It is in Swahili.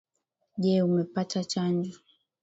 Je umepata chanjo?